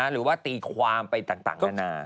หรือว่าตีความไปต่างนานา